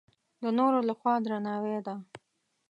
د نورو له خوا درناوی ده.